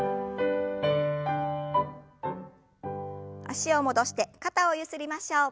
脚を戻して肩をゆすりましょう。